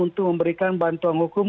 untuk memberikan bantuan hukum